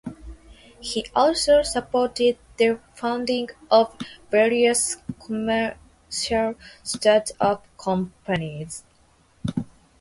He also supported the founding of various commercial startup companies.